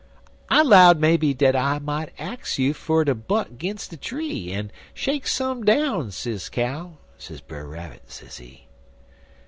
"'I 'lowed maybe dat I might ax you fer ter butt 'gin de tree, en shake some down, Sis Cow,' sez Brer Rabbit, sezee.